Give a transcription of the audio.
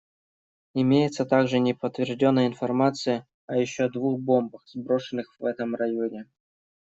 Имеется также неподтвержденная информация о еще двух бомбах, сброшенных в этом районе.